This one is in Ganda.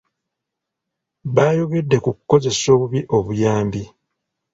Baayogedde ku kukozesa obubi obuyambi.